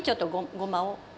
ごまを。